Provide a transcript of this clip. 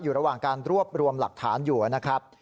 อยู่ระหว่างการรวบรวมหลักฐานอยู่นะครับ